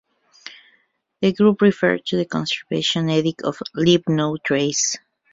The group referred to the conservation ethic of "Leave No Trace".